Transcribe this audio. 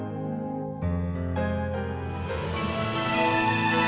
aku mau ke rumah